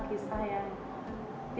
sekedar kakak bagi kami